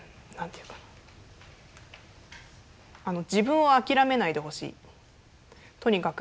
自分を諦めないでほしいとにかく。